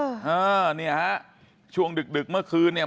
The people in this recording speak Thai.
อ่าเนี่ยฮะช่วงดึกดึกเมื่อคืนเนี่ย